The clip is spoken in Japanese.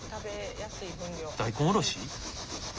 大根おろし？